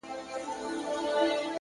پوهه د تیارو افکارو پر وړاندې ډال ده